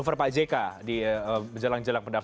terimakasih ya pres